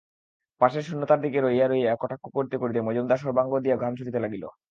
পাশের শূন্যতার দিকে রহিয়া রহিয়া কটাক্ষ করিতে করিতে মজুমদারের সর্বাঙ্গ দিয়া ঘাম ছুটিতে লাগিল।